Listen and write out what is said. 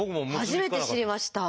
初めて知りました。